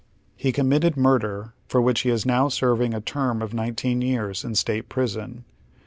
He committed murder, for which he is now serving a terra of nineteen years in State's Prison."